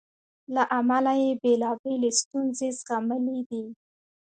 له امله یې بېلابېلې ستونزې زغملې دي.